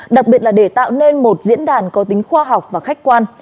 đặc biệt là để tạo nên một diễn đàn có tính khoa học và khách quan